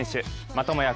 またもや